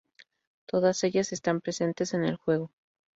Todas ellas están presentes en el juego.